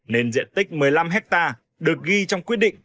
nên diện tích một mươi năm hectare được ghi trong quyết định